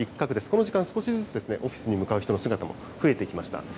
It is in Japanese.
この時間、少しずつですね、オフィスに向かう人の姿も増えてきました。